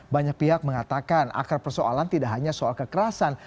banyak pihak mengatakan akar persoalan tidak hanya soal kekerasan